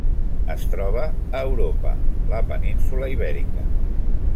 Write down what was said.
Es troba a Europa: la península Ibèrica.